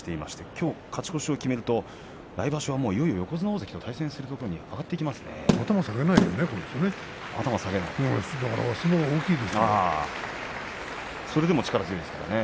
きょう勝ち越しを決めると来場所はもういよいよ横綱大関と対戦するところまで頭を下げないよね。